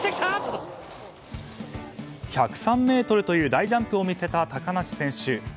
１０３ｍという大ジャンプを見せた高梨選手。